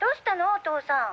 お父さん。